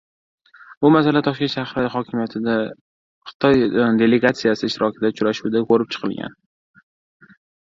Bu masala Toshkent shahri hokimiyatida Xitoy delegatsiyasi ishtirokidagi uchrashuvda koʻrib chiqilgan.